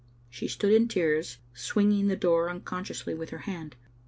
She stood in tears, swinging the door unconsciously with her hand.